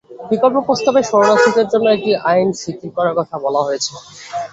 বিকল্প প্রস্তাবে শরণার্থীদের জন্য একটি আইন শিথিল করার কথা বলা হয়েছে।